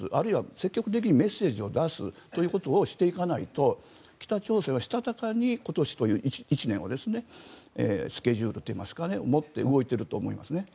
積極的にメッセージを出すということをしていかないと北朝鮮はしたたかに今年という１年をスケジュールといいますか動いていると思います。